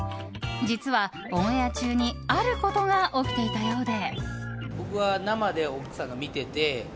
実は、オンエア中にあることが起きていたようで。